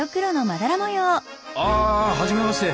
あ初めまして！